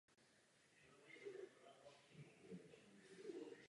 Během druhé světové války sloužila synagoga jako skladiště.